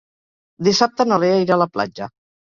Dissabte na Lea irà a la platja.